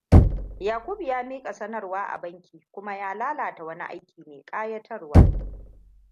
Yakubu ya mika sanarwa a banki kuma ya lalata wani aiki mai kayatarwa.